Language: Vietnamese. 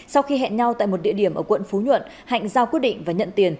sau khi hẹn nhau tại một địa điểm ở quận phú nhuận hạnh giao quyết định và nhận tiền